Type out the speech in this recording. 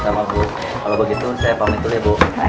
sama bu kalau begitu saya pamit dulu ya bu